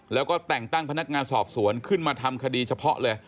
แล้วก็แต่งตั้งพนักงานสอบสวนขึ้นมาทำคดีเฉพาะเลย